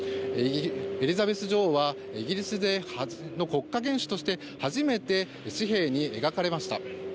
エリザベス女王はイギリスの国家元首として初めて紙幣に描かれました。